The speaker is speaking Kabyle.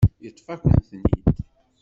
Yeṭṭef-akent-ten-id.